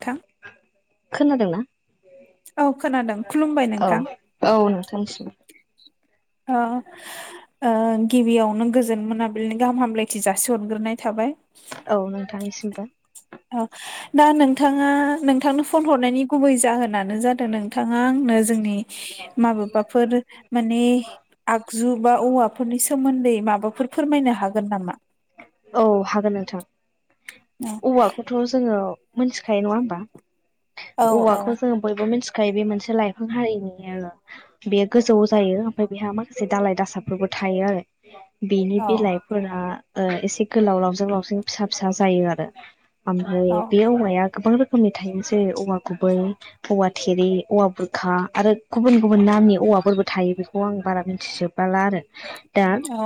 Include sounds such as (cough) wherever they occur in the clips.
थां। दोंना? औ खोनादों, खुलुमबाय औ नोंथां। औ नोंथांनिसिम ओ ओ गिबियावनो गोजोन मोनाबिलिनि गाहाम हामलायथि जासिहरग्रोनाय थाबाय। औ नोंथांनिसिमबो। औ, दा नोंथाङा नोंथांनो फन हरनायनि गुबै जाहोनानो जादों नोंथाङा आंनो जोंनि माबेबाफोर माने आगजु बा औवाफोरनि सोमोन्दै माबाफोर फोरमायनो हागोन नामा? औ हागोन नोंथां औवाखौ थ' जोङो मोनथिखायो नङा होमबा औ औ औवाखौ जोङो बयबो मिथिखायो बे मोनसे लाइफां हारिनि बेयो गोजौ जायो ओमफाय बेहा माखासे दालाय दासाफोरबो थायो आरो। बेनि औ बिलाइफोरा ओ एसे गोलाव लावजों लावजों फिसा फिसा जायो आरो। ओमफाय औ बे औवाया गोबां रो खोमनि थायो जेरै औवा गुबै औवा थेरे औवा बुरखा आरो गुबुन गुबुन नामनि औवाफोरबो थायो बेखौ आं बारा मिथिजोबला आरो। दा औ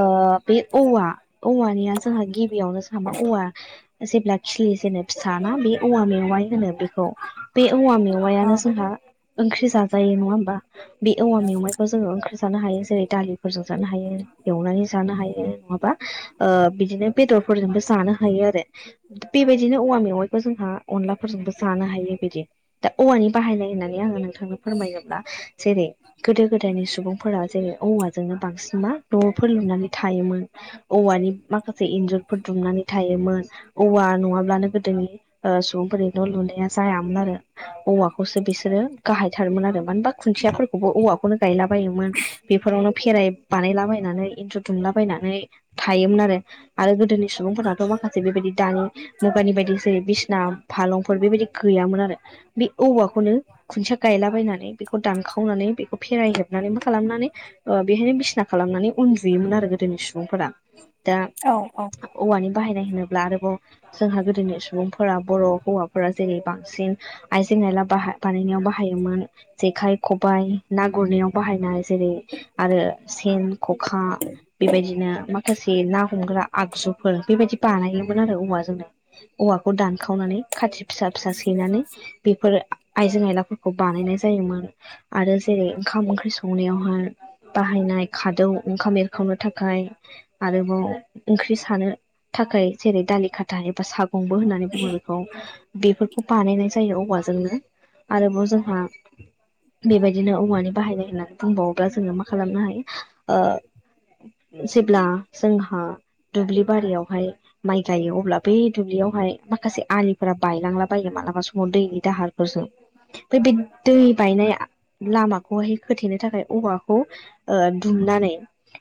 ओ बे औवा औवानिया जोंहा गिबियावनो जोंहा मा औवा जेब्ला खिलि जेनो फिसाना बे औवा मेवाय होनो बेखौ। बे औवा औ मेवायानो जोंहा ओंख्रि जाजायो नङा होमबा? बे औवा मेवाइखौ जोङो ओंख्रि जानो हायो जेरै दालि फोरजों जानो हायो, एवनानै जानो हायो, नङाबा ओ बिदिनो बेदरफोरजोंबो जानो हायो आरो। बेबायदिनो औवा मेवाय खौ जोंहा अनलाफोरजोंबो जानो हायो बिदि। दा औवानि बाहायनाय होननानै आङो नोंथां नो फोरमायोब्ला जेरै गोदो गोदायनि सुबुंफोरा जेरै औवाजोंनो बांसिन मा न'फोर लुनानै थायोमोन। औवानि माखासे इन्जुरफोर दुमनानै थायोमोन। औवा नङाब्लानो गोदोनि ओ सुबुंफोरनि न' लुनाया जायामोन आरो औमाखौसो बिसोरो गाहाय थारमोन आरो मानो होनबा खुन्थियाफोरखौबो औवाखौनो गायला बायोमोन। बेफोरावनो फेराइ बानायलाबायनानै इन्जुर दुमलाबायनानै थायोमोन आरो। आरो गोदोनि सुबुंफोरनाथ' माखासे बेबायदि दानि मुगानि बायदि जेरै बिसना फालंफोर बेबायदि गैयामोन आरो। बे औवाखौनो खुन्थिया गायलाबायनानै बेखौ दानखावनानै बेखौ फेरायजोबनानै मा खालामनानै ओ बेहायनो बिसिना खालामनानै उन्दुयोमोन आरो गोदोनि सुबुंफोरा। दा औ औ। औवानि बाहायनाय होनोब्ला आरोबाव जोंहा गोदोनि सुबुंफोरा बर' हौवाफोरा जेरै बांसिन आइजें आइला बाहा बानायनायाव बाहाय हायोमोन जेखाइ, खबाइ ना गुरनायाव बाहायनाय जेरै आरो सेन खखा बेबायदिनो मा खासे ना हमग्रा आगजुफोर बेबायदि बानायोमोन आरो औमाजोंनो। औवाखौ दानखावनानै खाथि फिसा फिसा सैनानै बेफोर आ आइजें आइलाफोर खौ बानायनाय जायोमोन। आरो जेरै ओंखाम ओंख्रि संनायावहाय बाहायनाय खादौ ओंखाम एरखावनो थाखाय आरोबाव ओंख्रि सानो थाखाय जेरै दालि खाथा एबा साग गंबो होननानै बुङो बेखौ। बेफोरखौ बानायनाय जायो औवाजोंनो। आरोबाव जोंहा बेबायदिनो औवानि बाहायनाय होननानै बुंबावोब्ला जोङो मा खालामनो हायो ओ जेब्ला जोंहा दुब्लि बारियावहाय माइ गायो अब्ला बे दुब्लियावहाय माखासे आलिफोरा बायलांला बायो मालाबा समाव दैनि दाहारफोरजों (unintelligible) बे दै बायनाय लामाखौहाय खोथेनो थाखाय औवाखौ ओ दुमनानै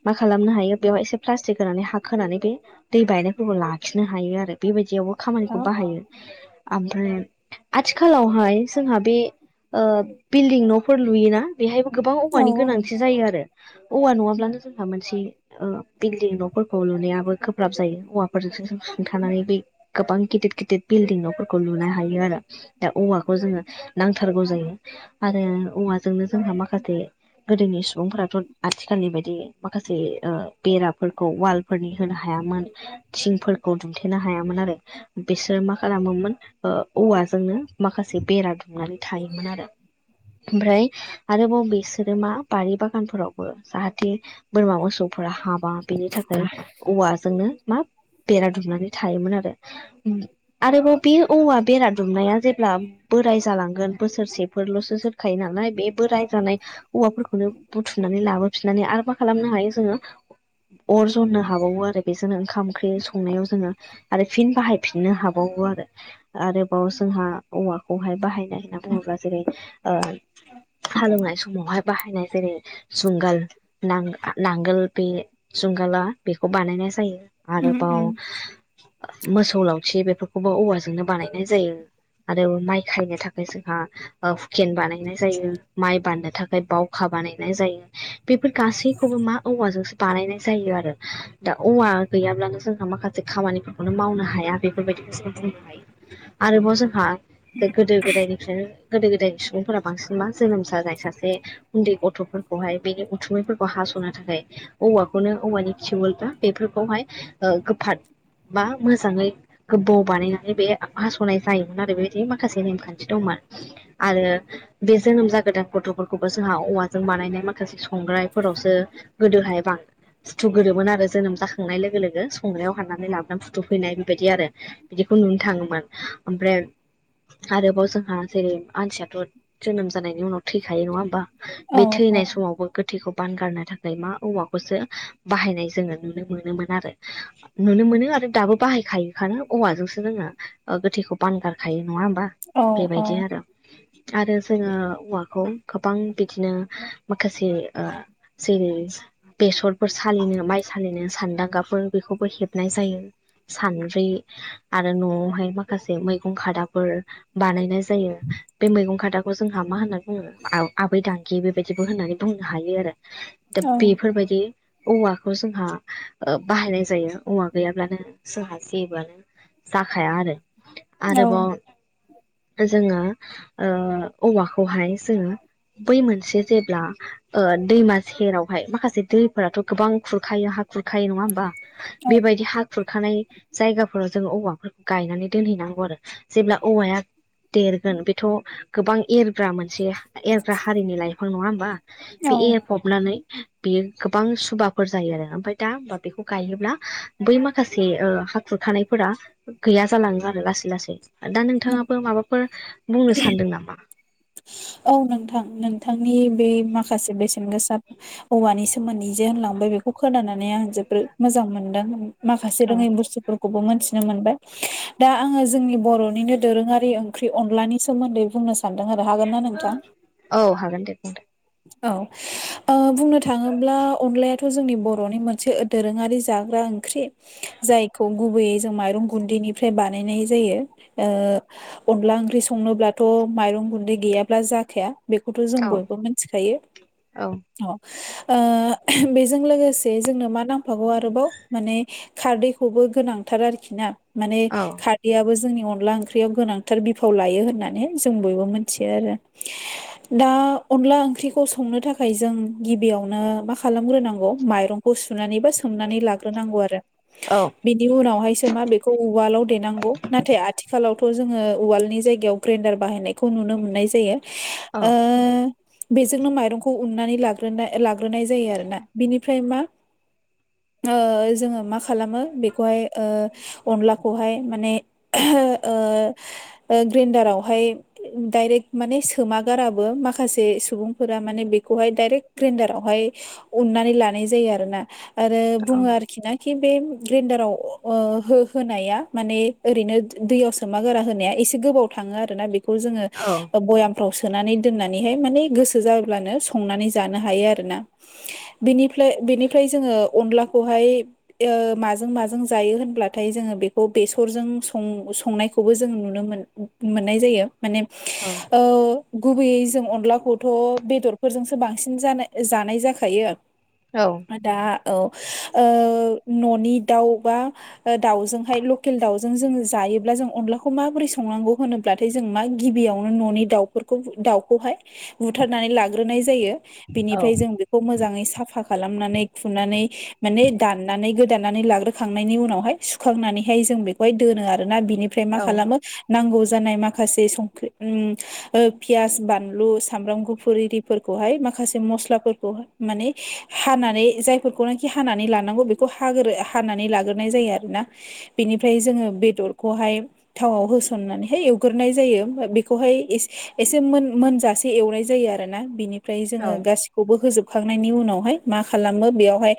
मा खालामनो हायो बेयावाय एसे प्लास्टिक होनानै हा होनानै बे दै बायनायफोरखौ लाखिनो हायो आरो बेबायदियावबो औ खामानिखौ बाहायो। ओमफ्राय आथिखालावहाय जोंहा बे ओ बिल्डिं न'फोर लुयोना बेहायबो गोबां औ औवानि गोनांथि जायो आरो। औवा नङाब्लानो जोंहा मोनसे ओ बिल्दिं न'फोरखौ लुनायाबो गोब्राब जायो। औवाफोरजोंसो जों सुंन्थानानै बै गोबां गिदिर- गिदिर बिलडिं न'फोरखौ लुनो हायो आरो। दा औवाखौ जोङो (unintelligible) (unintelligible) जायो आरो औवाजोंनो जोंहा माखासे गोदोनि सुबुंफोराथ' आथिखालनि बायदि माखासे ओ बेराफोरखौ वाल फोरनि होनो हायामोन थिंफोरखौ दुमथेनो हायामोन आरो। बेसोर मा खालामोमोन ओ औवाजोंनो माखासे बेरा दुमनानै थायोमोन आरो। ओमफ्राय आरोबाव बिसोरो मा बारि बागानफोरावबो जाहाथे बोरमा मोसौफोरा हाबा बेनि थाखाय औवा जोंनो मा बेरा दुमनानै थायोमोन आरो। ओम आरोबाव बे औवा बेरा दुमनाया जेब्ला बोराय जालांगोन बोसोरसेफोरल'सो जोरखायो नालाय बे बोरायजानाय औवाफोरखौनो बुथुम नानै लाबोफिननानै आरो मा खालामनो हायो जोङो अर जननो हाबावो आरो बेजोंनो ओंखाम ओंख्रि संनायाव जोङो आरो फिन बाहाय फिननो हाबावो आरो। आरोबाव जोंहा औवाखौहाय बाहायनाय (unintelligible) जेनबा जेरैक्षओ हालेवनाय समावहाय बाहायनाय जेरै जुंगाल नांग -नांगोल बे जुंगाला बेखौ बानायनाय जायो। उम उम आरोबाव मोसौ लावथि बेफोरखौबो औवाजोंनो बानायनाय जायो आरो माइ खायनो थाखाय जों (unintelligible) हुकेन बानायनाय जायो माइ बान्नो थाखाय बावखा बानायनाय जायो। बेफोर गासैखौबो मा औवाजोंसो बानायनाय जायो आरो। दा औवा गैयाब्लानो जोंहा माखासे खामानिफोरखौनो मावनो हाया बेफोरबायदिखौसो बुंनो हायो। आरोबाव जोंहा गोदो- गोदायनि गोदो -गोदायनि सुबुंफोरा बांसिन मा जोनोम जानाय सासे उन्दै गथ'फोरखौहाय बेनि उथसुमैफोरखौ हास'नो थाखाय औवाखौनो औवानि खिवलफ्रा बेफोरखौहाय ओ गोफार बा मोजाङै गोबौ बानायनानै बे हास'नाय जायोमोन आरो बेदि माखासे नेमखान्थि (unintelligible) आरो बे जोनोम जागोदान गथ'फोरखौबो जोंहा औवाजों बानायनाय माखासे संग्रायफोरावसो गोदोहाय (unintelligible) फुथुगोरोमोन आरो जोनोम जाखांनाय लोगो- लोगो संनायाव हाननानै लाबोनानै फुथु फैनाय बेबायदि आरो। बिदिखौ नुनो थाङोमोन। ओमफ्राय आरोबाव जोंहा जेरै मानसियाथ' जोनोम जानायनि उनाव थैखायो नङा होमबा? औ बे औ थैनाय समावबो गोथैखौ बानगारनो थाखाय मा औवाखौसो बाहायनाय जोङो नुनो मोनोमोन आरो। नुनो मोनो आरो दाबो बाहायखायोखानो औवाजोंसो जोङो गोथैखौ बानगारखायो नङा होमबा? औ औ बेबायदि आरो आरो जोङो औवाखौ गोबां बिदिनो माखासे ओ (unintelligible) बेसरफोर सालिनो माइ सालिनो सान्दांगाफोर बेखौबो हेबनाय जायो। सानद्रै आरो न'आवहाय माखासे मैगं खादाफोर बानायनाय जायो। बे मैगं खादाखौ जोंहा मा होनना बुङो आबै दांगि बेबायदिबो होननानै बुंनो हायो आरो। दा बेफोरबायदि औवाखौ जोंहा बाहायनाय जायो औवा गैयाब्लानो जोंहा जेबोआनो जाखाया आरो आरोबाव जोङो ओ औवाखौहाय जोङो बै मोनसे जेब्ला ओ दैमा सेरावहाय माखासे दैफोराथ' गोबां औ बेबायदि हा खुरखानाय जायगाफोराव जोङो औवाफोरखौ गायनानै दोनहैनांगौ आरो जेब्ला औवाया देरगोन बेथ' गोबां एरग्रा मोनसे एरग्रा हारिनि लाइफ दफां नङा होमबा बे औ (unintelligible) नानै बेयो गोबां सुबाफोर जायो आरो ओमफ्राय दा हबा बेखौ गायनोब्ला बै माखासे ओ हाखुर थानायफोरा गैया जालाङो आरो लासै लासै दा औ नोंथाङाबो माबाफोर बुंनो सान्दों नामा? औ नोंथां नोंथांनि बे माखासे बेसेन गोसा औवानि सोमोन्दै जे होनलांबाय बेखौ खोनानानै आं जोबोद मोजां मोनदों। माखासे औ रोङै बुस्थुफोरखौबो मोनथिनो मोनबाय। दा आङो जोंनि बर'निनो दोरोङारि ओंख्रि अनलानि सोमोन्दै बुंनो सानदों आरो हागोन ना नों? (unintelligible) औ हागोन दे बुं दे। औ ओ बुंनो थाङोब्ला अनलाया थ' जोंनि बर'नि मोनसे दोरोङारि जाग्रा ओंख्रि। जायखौ गुबैयै जों माइरं गुन्दैनिफ्राय बानायनाय जायो ओ। अनला ओंख्रि संनोब्लाथ' माइरं गुन्दै गैयाब्ला जाखाया बेखौथ' जों औ बयबो मिथिखायो औ अ बेजों लोगोसे जोंनो मा नांफागौ आरोबाव माने खारदैखौबो गोनांथार आरोखि ना माने औ खार याबो जोंनि अनला ओंख्रियाव गोनांथार बिफाव लायो होननानै जों बयबो मोनथियो आरो दा अनला ओ ओंख्रिखौ संनो थाखाय जों गिबियावनो मा खालामग्रोनांगौ माइरंखौ सुनानै बा सोमनानै ला नांगौ आरो औ बिनि उनावहायसो मा बेखौ उवालाव देनांगौ नाथाय आथिखालावथ' जोङो उवालनि जायगायाव ग्रेन्डार बाहायनायखौ नुनो मोन्नाय जायो। औ ओ बेजोंनो माइरंखौ उननानै लाग्रोनाय लाग्रोनाय जायो आरोना बिनिफ्राय मा जोङो मा खालामो बेखौहाय ओ अनलाखौहाय माने (unintelligible) ओ ओ ग्रेडार आवहाय डाइरेक्ट माने सोमागाराबो माखासे सुबुंफोरा माने बेखौहाय दाइरेक्ट ग्रेडारावहाय उननानै लानाय जायो आरोना आरो औ बुङो आरोखि ना खि बे ग्रेन्दाराव ओ हो-होनाया माने ओरैनो दै सोमा गोरा होनाया एसे गोबाव थाङो आरो ना बेखौ जोङो औ बयामफ्राव सोनानै दोननानैहाय माने गोसो जाब्लानो संनानै जानो हायो आरोना। बिनिफ्लाय बिनिफ्राय जोङो अनलाखौहाय ओ माजों माजों जायो होनब्लाथाय जोङो बेखौ बेसरजों सं-संनायखौबो जों नुनो मोन मोननाय जायो माने औ औ गुबैयै जों अनलाखौ थ' बेदरफोरजोंसो बांसिन जानाय जानाय जाखायो औ दा औ ओ न'नि दाउ बा ओ दाउजोंहाय लकेल दाउजों जोङो जायोब्ला जों अनलाखौ माबोरै संनांगौ होनोब्ला ब्लाथाय जों मा गिबियावनो न'नि दाउफोरखौ दाउखौहाय बुथारनानै लाग्रोनाय जायो औ बिनिफ्राय जों बेखौ मोजाङै साफा खालामनानै खुनानै माने दाननानै गोदानानै लाग्रोखांनायनि उनावहाय सुखांनानैहाय जों बेखौहाय दोनो आरोना बिनि फ्राय मा खालामो नांगौ जानाय माखासे संख्रि उम ओ फियास बानलु सामब्राम गुफुर इरिफोरखौहाय माखासे मस्लाफोरखौहाय माने हानानै जाय फोरखौनोखि हानानै लानांगौ बेखौ हाग्रो हानानै लाग्रोनाय जायो आरोना बेनिफ्राय जोङो बेदरखौहाय थावाव होसननानैहाय एवग्रोनाय जायो बेखौहाय एसे एसे मोन मोनजा से एवनाय जायो आरोना बिनिफ्राय जोङो गासि खौबो होजोबखांनायनि उनावहाय मा खालामो बेयावहाय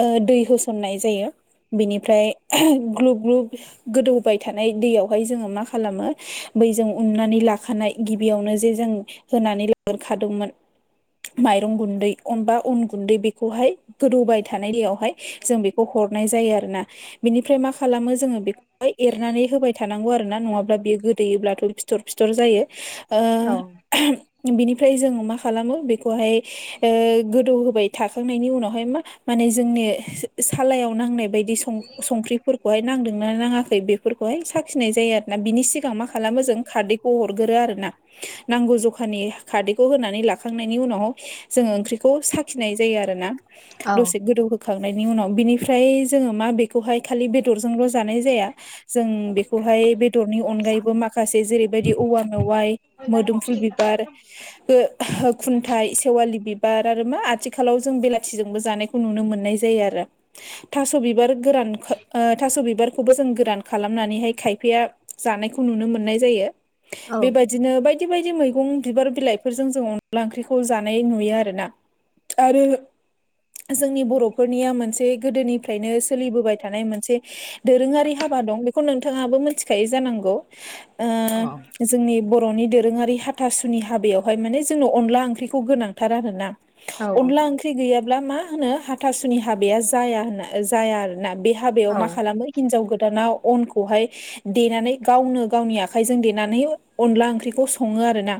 ओ दै होसननाय जायो। बेनिफ्राय ग्लुब ग्लुब गोदौबाय थानाय दैयावहाय जोङो मा खालामो बैजों उननानै लाखानाय गिबियावनो जे जों होनानै लाग्रोखादोंमोन माइरं गुन्दै अनबा अन गुन्दै बेखौहाय गोदौबाय थानाय दैयाव हाय जों बेखौ हरनाय जायो आरोना बेनिफ्राय मा खालामो जोङो बेखौहाय एरनानै होबाय थानांगौ आरोना नङाब्ला बेयो गोदोयोब्लाथ' फिथर फिथर जायो। ओ बिनिफ्राय जों मा खालामो बेखौहाय ओ गोदौ होबाय साखांनायनि उनावहाय मा माने जोंनि सालायाव नांनाय बायदि बि सं-संख्रिफोरखौहाय नांदोंना नाङाखै बेफोरखौहाय साखिनाय जायो आरोना बिनि सिगां मा खालामो जों खारदैखौ हरगोरो आरो ना नांगौ जखानि खारदैखौ होनानै लाखांनायनि उनाव जोङो ओंख्रिखौ साखिनाय जायो आरो ना दसे गोदौ होखांनायनि उनाव बिनिफ्राय जोङो मा बेखौहाय खालि बेदरजोंल' जानाय जाया जों बेखौहाय बेदरनि अनगायैबो माखासे जेरैबायदि औवा मेवाइ मोदोमफुल बिबार बो खुन्थाइ सेवालि बिबार आरो मा आथिखालाव जों बेलाथिजोंबो जानाय नुनो मोननाय जायो आरो थास' बिबार गोरान थास' बिबार खौ जों गोरान‌ खालामनानैहाय खायफाया जानायखौ नोनो मोननाय जायो बेबाय दिनो बायदि बायदि मैगं बिबार बिलाइफोरजों जों अनला ओंख्रिखौ जानाय नुयो आरोना आरो जोंनि बर'फोरनिया मोनसे गोदोनिफ्रायनो सोलिबोबाय थानाय मोनसे दोरोङारि हाबा दं बेखौ नोंथाङाबो मोनथि खायो जानांगौ ओ अ जोंनि बर'नि दोरोङारि हाथासुनि हाबायावहाय माने जोंनो अनला ओंख्रिखौ गोनांथार आरोना अनला ओंख्रि गैयाब्ला मा होनो हाथासुनि हाबाया जाया होनना जाया आरोना बे हाबायाव मा खालामो हिनजाव गोदाना अनखौहाय देनानै गावनो गावनि आखाइजों देनानै अनला ओंख्रिखौ सङो आरोना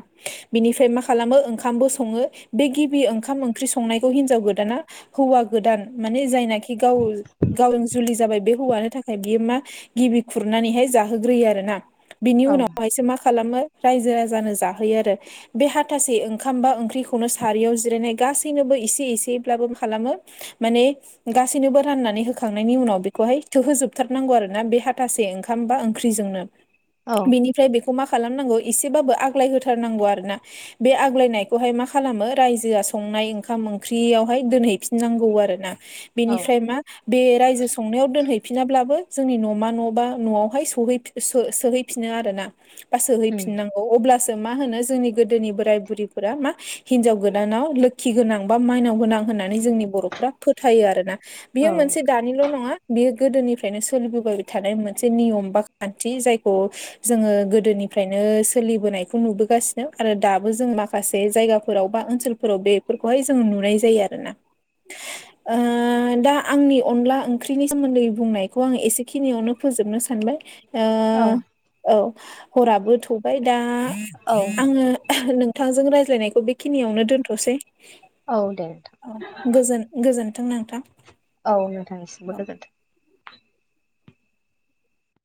बेनिफ्राय मा खालामो ओंखामबो सङो बे गिबि ओंखाम ओंख्रि संनाय खौ हिनजाव गोदाना हौवा गोदान माने जायनाखि गाव गावजों जुलि जाबाय बे हौवानो थाखाय बियो मा गिबि खुरनानैहाय जाहोग्रोयो आरोना बिनि औ औ उनावहायसो मा खालामो रायजो राजानो जाहोयो आरो बे हाथासे ओंखाम बा ओंख्रिखौनो सारियाव जिरायनाय गासैनोबो एसे एसेब्लाबो मा खालामो माने गासैनोबो राननानै होखांनायनि उनाव बेखौहाय थोहोजोबथारनांगौ आरोना बे हाथासे ओं खामबा ओंख्रिजोंनो बेनिफ्राय बेखौ मा खालामनांगौ एसेबाबो आग्लाय होथारनांगौ आरोना बे आग्लायनायखौहाय मा खालामो रायजोआ संनाय ओंखाम ओंख्रियावहाय दोनहैफि नांगौ आरोना बिनिफ्राय मा बे रायजो संनायाव दोनहैफिनाब्लाबो जोंनि न'मा न' बा न'वावहाय सहैफि सोहैफिनो आरोना बा उम सोहैफिनांगौ अब्ला जों मा होनो जोंनि गोदोनि बोराइ बुरैफोरा मा हिनजाव गोदानाव लोखि गोनां बा माइनाव गोनां होननानै जोंनि बर'फ्रा फोथायो आरोना बियो औ मोनसे दानिल' नङा बेयो गोदोनिफ्रायनो सोलिबोबाय थानाय मोनसे नियम बा खान्थि जायखौ जोंङो गोदोनिफ्रायनो सोलिबोनाय खौ नुबोगासिनो आरो दाबो जों माखासे जायगाफोराव बा ओनसोलफोराव बेफोरखौहाय जोंङ नुनाय जायो आरोना (inaudible) ओ दा आंनि अनला ओंख्रिनि सोमोन्दै बुंनायखौ आं एसेखिनियावनो फोजोबनो सानबाय औ औ ओ हराबो थौबाय दा औ आंङो नोंथांजों रायज्लायनायखौ बेखिनियावनो दोनथ'सै औ दे नोंथां औ गोजोन गोजोन्थों नोंथां औ नोंथांनिसिमबो गोजोन्थों